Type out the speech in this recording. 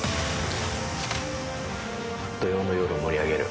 土曜の夜を盛り上げる。